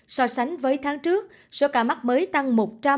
so sánh với tháng trước số ca mắc mới tăng một trăm bốn mươi chín tám